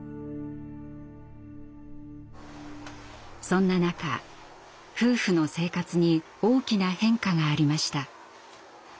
そんな中夫婦の生活に大きな変化がありました。